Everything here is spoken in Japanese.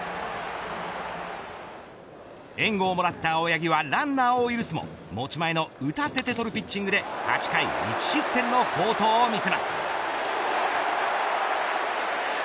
援護をもらった青柳はランナーを許すも持ち前の打たせて取るピッチングで８回１失点の好投を見せます。